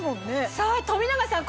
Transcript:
さぁ富永さん